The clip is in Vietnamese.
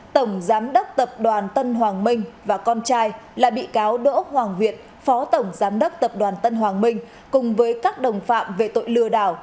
tổng giám đốc tập đoàn tân hoàng minh và con trai là bị cáo đỗ hoàng việt phó tổng giám đốc tập đoàn tân hoàng minh cùng với các đồng phạm về tội lừa đảo